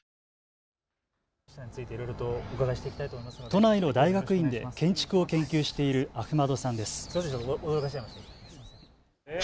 都内の大学院で建築を研究しているアフマドさんです。